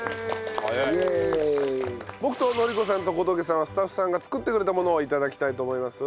僕と乃理子さんと小峠さんはスタッフさんが作ってくれたものを頂きたいと思います。